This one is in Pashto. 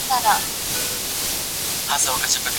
د څېړنې معلومات تل دقت ته اړتیا لري.